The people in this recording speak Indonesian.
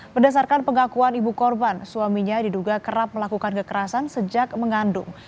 berdasarkan pengakuan ibu korban suaminya diduga kerap melakukan kekerasan sejak mengandung